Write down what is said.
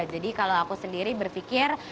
jadi kalau aku sendiri berpikir